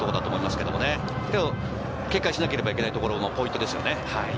けど警戒しなければいけない所のポイントですね。